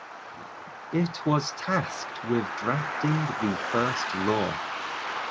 It was tasked with drafting the first law.